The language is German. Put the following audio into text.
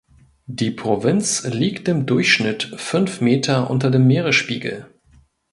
Die Provinz liegt im Durchschnitt fünf Meter unter dem Meeresspiegel.